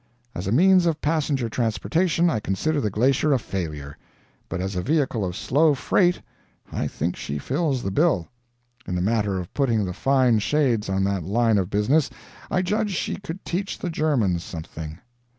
As a means of passenger transportation, I consider the glacier a failure; but as a vehicle of slow freight, I think she fills the bill. In the matter of putting the fine shades on that line of business, I judge she could teach the Germans something.